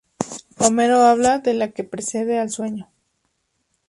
Homero habla de la que precede al sueño.